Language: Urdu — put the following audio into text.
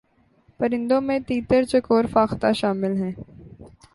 پرندوں میں تیتر چکور فاختہ شامل ہیں